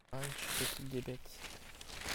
Fañch s'occupe des bêtes.